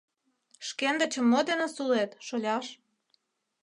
— Шкендычым мо дене сулет, шоляш?